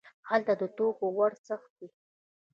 هلته د توکو وړل سخت دي.